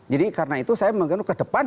jadi karena itu saya mengenal kedepan